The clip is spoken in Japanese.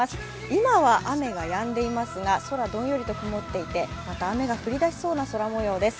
今は雨がやんでいますが空はどんよりと曇っていてまた雨が降り出しそうな空模様です。